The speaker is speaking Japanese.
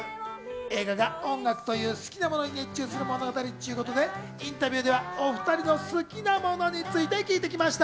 映画が、音楽という好きなものに熱中する物語ということで、インタビューではお２人の好きなものについて聞いてきました。